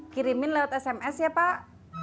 kirimin lewat sms ya pak